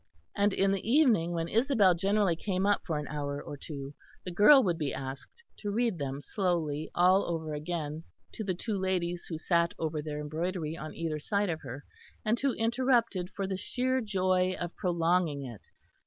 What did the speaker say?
And in the evening, when Isabel generally came up for an hour or two, the girl would be asked to read them slowly all over again to the two ladies who sat over their embroidery on either side of her, and who interrupted for the sheer joy of prolonging it.